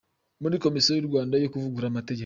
Muri Komisiyo y’u Rwanda yo kuvugurura Amategeko